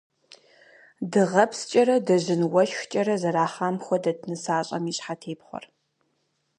Дыгъэпскӏэрэ, дыжьын уэшхкӏэрэ зэрахъам хуэдэт нысащӏэм и щхьэтепхъуэр.